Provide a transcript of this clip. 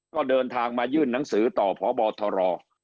ก็เดินทางมายื่นหนังสือต่อพบทร